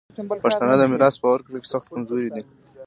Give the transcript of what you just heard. پښتانه د میراث په ورکړه کي سخت کمزوري دي.